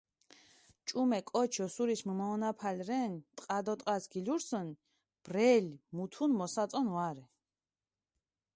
ჭუმე კოჩი ოსურიში მჷმაჸონაფალი რენ, ტყა დო ტყას გილურსჷნ, ბრელი მუთუნ მოსაწონი ვარე.